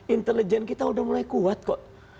intelijen kita udah mulai kuat kok